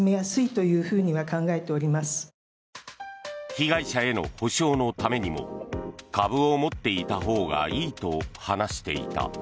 被害者への補償のためにも株を持っていたほうがいいと話していた。